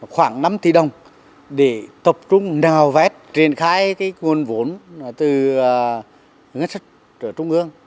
khoảng năm tỷ đồng để tập trung nào vét triển khai nguồn vốn từ ngân sách trở trung ương